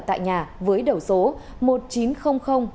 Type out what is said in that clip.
tại nhà với đầu số